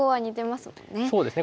そうですね。